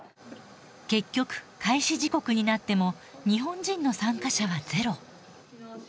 結局開始時刻になっても日本人の参加者はゼロ。